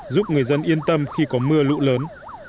giúp người dân yên tâm khi có mưa lũ lớn